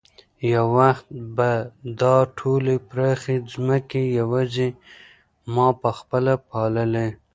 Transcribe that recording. یو وخت به دا ټولې پراخې ځمکې یوازې ما په خپله پاللې.